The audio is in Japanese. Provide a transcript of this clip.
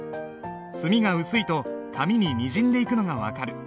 墨が薄いと紙ににじんでいくのが分かる。